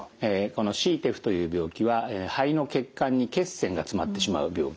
このＣＴＥＰＨという病気は肺の血管に血栓が詰まってしまう病気です。